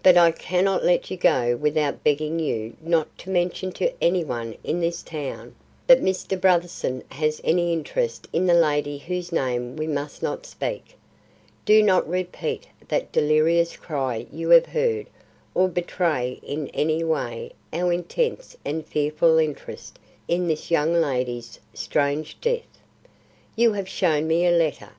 But I cannot let you go without begging you not to mention to any one in this town that Mr. Brotherson has any interest in the lady whose name we must not speak. Do not repeat that delirious cry you have heard or betray in any way our intense and fearful interest in this young lady's strange death. You have shown me a letter.